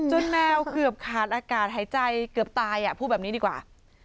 แมวเกือบขาดอากาศหายใจเกือบตายพูดแบบนี้ดีกว่า